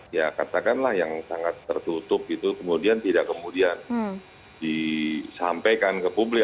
ya katakanlah yang sangat tertutup itu kemudian tidak kemudian disampaikan ke publik